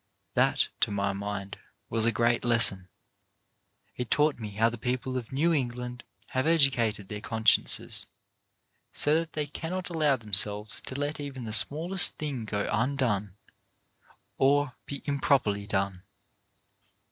That, to my mind, was a great lesson. It taught me how the people of New England have educated their consciences so that they cannot allow them selves to let even the smallest thing go undone or be improperly done.